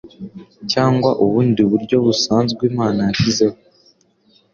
cyangwa ubundi buryo busanzwe Imana yashyizeho.